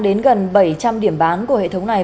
đến gần bảy trăm linh điểm bán của hệ thống này